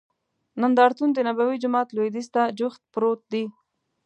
نندارتون دنبوي جومات لوید یځ ته جوخت پروت دی.